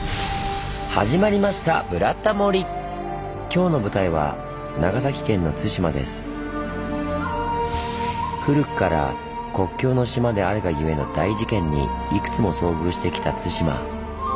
今日の舞台は古くから国境の島であるがゆえの大事件にいくつも遭遇してきた対馬。